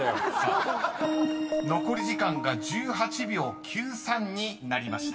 ［残り時間が１８秒９３になりました］